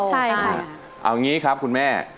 เอาอย่างนี้ครับคุณแม่